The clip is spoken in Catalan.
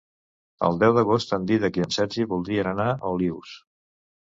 El deu d'agost en Dídac i en Sergi voldrien anar a Olius.